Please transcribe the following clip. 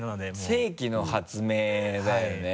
世紀の発明だよね。